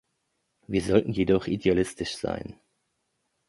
Wir sollten jedoch idealistisch sein.